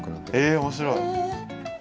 へえ面白い。